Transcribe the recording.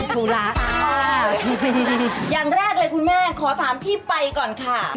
ถ้ารู้